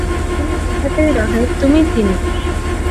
শুধু তাহাই নহে, তুমিই তিনি।